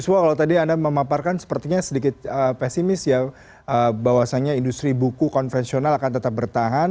mas wah kalau tadi anda memaparkan sepertinya sedikit pesimis ya bahwasannya industri buku konvensional akan tetap bertahan